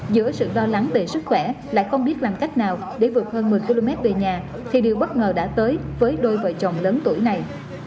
giữa sự lo lắng về sức khỏe lại không biết làm cách nào để vượt hơn một mươi km về nhà thì điều bất ngờ đã tới với đôi vợ chồng lớn tuổi này